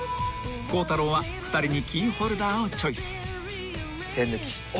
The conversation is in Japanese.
［孝太郎は２人にキーホルダーをチョイス］